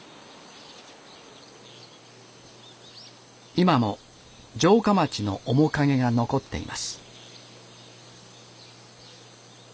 今も城下町の面影が残っています。